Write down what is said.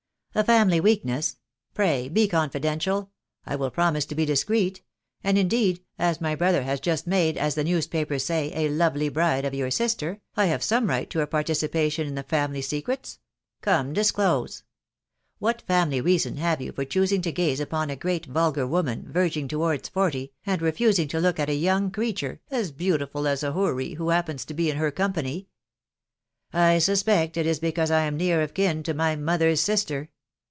" A family weakness !.•.. Pray, be confidential ; I will promise to be discreet ; and indeed, as my brother has just made, as the newspapers say, a 'lovely bride9 of your sister, I have some right to a participation in the family secrets* Come, disclose !.... What family reason have you for choos ing to gaze upon a great vulgar woman, verging towards forty, and refusing to look at a young creature, as beautiful as a houri, who happens to be in her company?" " I suspect it is because I am near of kin to my mother's sister.